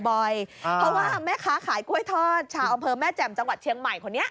เพราะว่าแม่ค้าขายกล้วยทอดชาวอำเภอแม่แจ่มจังหวัดเชียงใหม่คนนี้